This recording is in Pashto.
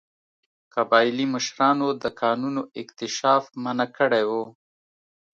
قبایلي مشرانو د کانونو اکتشاف منع کړی و.